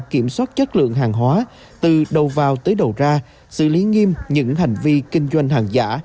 kiểm soát chất lượng hàng hóa từ đầu vào tới đầu ra xử lý nghiêm những hành vi kinh doanh hàng giả